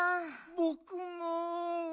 ぼくも。